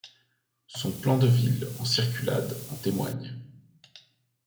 Son plan de ville en circulade en témoigne.